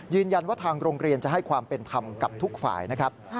ยืนยันว่าทางโรงเรียนจะให้ความเป็นธรรมกับทุกฝ่ายนะครับ